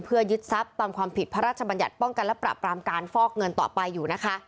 เพื่อยึดทรัพย์ตามความผิดพระราชบัญญัติป้องกันและปรับปรามการฟอกเงินต่อไปอยู่นะคะ